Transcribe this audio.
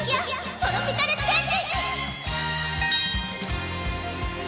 トロピカルチェンジ！